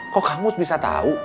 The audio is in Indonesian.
kok kamu bisa tahu